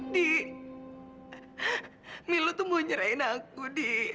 di milo tuh mau nyerahin aku di